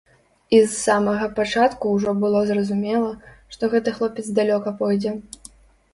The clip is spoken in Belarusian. І з самага пачатку ўжо было зразумела, што гэты хлопец далёка пойдзе.